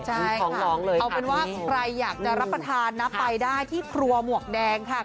ใช่ค่ะเอาเป็นว่าใครอยากจะรับประทานนะไปได้ที่ครัวหมวกแดงค่ะ